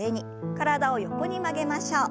体を横に曲げましょう。